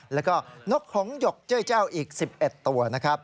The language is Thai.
แล้วก็นกของหยกเจ้าอีก๑๑ตัวนะครับ